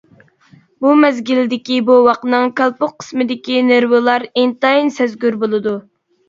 بۇ مەزگىلدىكى بوۋاقنىڭ كالپۇك قىسمىدىكى نېرۋىلار ئىنتايىن سەزگۈر بولىدۇ.